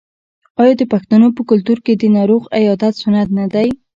آیا د پښتنو په کلتور کې د ناروغ عیادت سنت نه دی؟